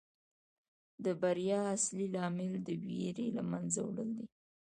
د بریا اصلي لامل د ویرې له منځه وړل دي.